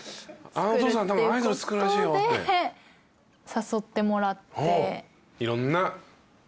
誘ってもらって。